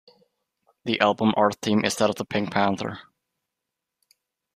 The album art theme is that of the Pink Panther.